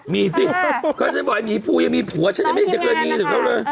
มีสิเค้าจะบอกให้หมีภูยังมีผัวฉันยังไม่เห็นเกิดมีสิเขาเลย